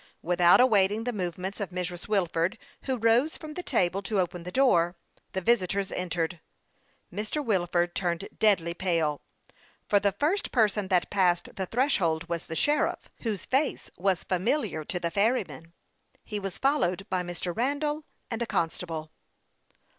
Without awaiting the movements of Mrs. Wilford, who rose from the table to open the door, the visitors entered. Mr. Wilford turned deadly pale, for the first person that passed the threshold was the sheriff, whose face was familiar to the ferryman. He was followed by Mr. Randall and a constable.